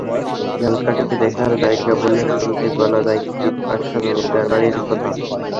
ঝালকাঠিতে দেখার জায়গা বললে শুরুতেই বলা যায় কীর্তিপাশা জমিদার বাড়ির কথা।